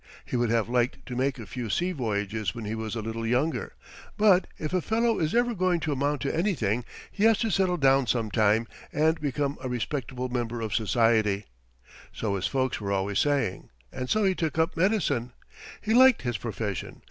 He would have liked to make a few sea voyages when he was a little younger, but if a fellow is ever going to amount to anything he has to settle down sometime and become a respectable member of society so his folks were always saying, and so he took up medicine. He liked his profession.